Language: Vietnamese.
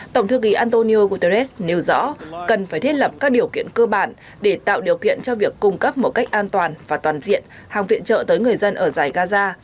tổng thư ký antonio guterres nêu rõ cần phải thiết lập các điều kiện cơ bản để tạo điều kiện cho việc cung cấp một cách an toàn và toàn diện hàng viện trợ tới người dân ở giải gaza